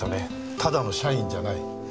ただの社員じゃない。